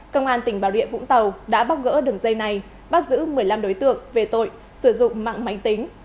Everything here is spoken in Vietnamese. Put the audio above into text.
công an tỉnh bà rịa vũng tàu đã bóc gỡ đường dây này bắt giữ một mươi năm đối tượng về tội sử dụng mạng máy tính